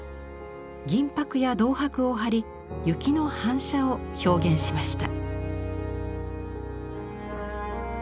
銀ぱくや銅はくを貼り雪の反射を表現しました。